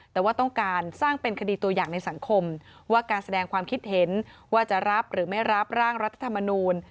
แต่ว่าต้องการสร้างเป็นคดีตัวอย่างในสังคมว่าการแสดงความคิดเห็นว่าจะรับหรือไม่รับร่างรัฐธรรมนูล